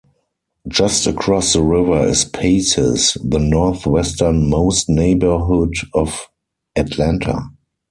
Just across the river is Paces, the northwestern-most neighborhood of Atlanta.